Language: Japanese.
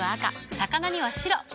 魚には白。